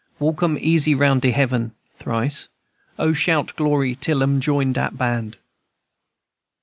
Walk 'em easy round de heaven. (Thrice.) O, shout glory till 'em join dat band!"